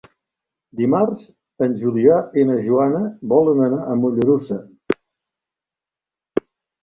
Dimarts en Julià i na Joana volen anar a Mollerussa.